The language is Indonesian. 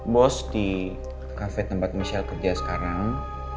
bos di kafe tempat michelle kerja sekarang